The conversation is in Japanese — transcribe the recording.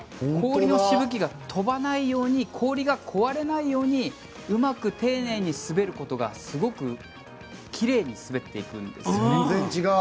氷のしぶきが飛ばないように氷が壊れないようにうまく丁寧に滑ることがすごく奇麗に滑っていくんです。